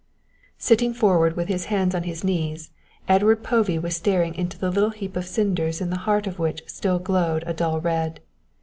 Sitting forward with his hands on his knees, Edward Povey was staring into the little heap of cinders in the heart of which still glowed a dull red.